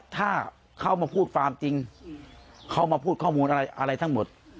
ถ้าเขามาพูดฟาร์มจริงเขามาพูดข้อมูลอะไรอะไรทั้งหมด